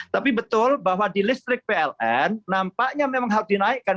tapi betul bahwa di listrik pln nampaknya memang harus dinaikkan